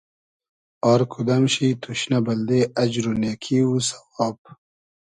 آر کودئم شی توشنۂ بئلدې اجر و نېکی و سئواب